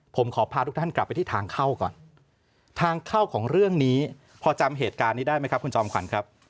ผมขอพาทุกท่านกลับไปที่ทางเข้าก่อนทางเข้าของเรื่องนี้พอจำเหตุการณ์นี้ได้ไหมครับคุณจอมขวัญครับ